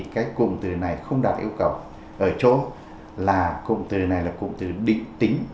cái cùng từ này không đạt yêu cầu ở chỗ là cùng từ này là cùng từ định tính